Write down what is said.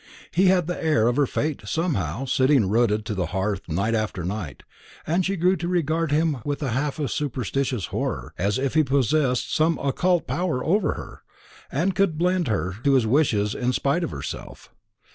He had the air of her fate somehow, sitting rooted to the hearth night after night, and she grew to regard him with a half superstitious horror, as if he possessed some occult power over her, and could bend her to his wishes in spite of herself.